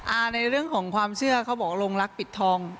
ในเรื่องของความเชื่อเขาบอกลงรักปิดทอง